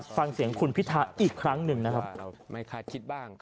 ฟังเสียงคุณพิธาอีกครั้งหนึ่งนะครับ